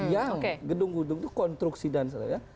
yang gedung gedung itu kontruksi dan sebagainya